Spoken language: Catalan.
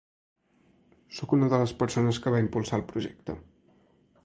Sóc una de les persones que va impulsar el projecte.